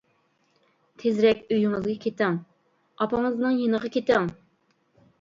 تېزرەك ئۆيىڭىزگە كېتىڭ، ئاپىڭىزنىڭ يېنىغا كېتىڭ!